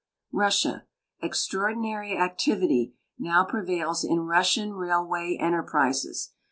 Russia. Extraordinary activity now prevails in Russian railway enter prises.